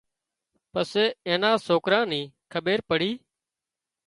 پسي اين نان سوڪران نين کٻير پڙي